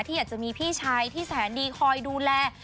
อยากจะมีพี่ชายที่แสนดีคอยดูแล